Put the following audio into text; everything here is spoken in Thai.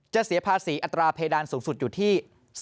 เสียภาษีอัตราเพดานสูงสุดอยู่ที่